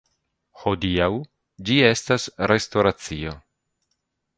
Hodiaŭ ĝi estas restoracio.